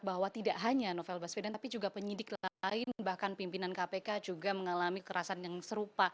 bahwa tidak hanya novel baswedan tapi juga penyidik lain bahkan pimpinan kpk juga mengalami kekerasan yang serupa